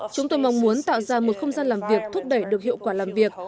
chúng tôi mong muốn tạo ra một không gian làm việc thúc đẩy được hiệu quả làm việc